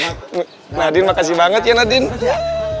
ih nadine makasih banget ya nadine